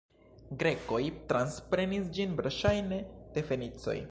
Grekoj transprenis ĝin verŝajne de fenicoj.